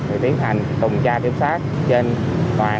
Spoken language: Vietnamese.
thì tiến hành tuần tra kiểm soát trên toàn